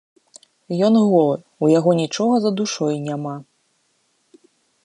Ён голы, у яго нічога за душой няма.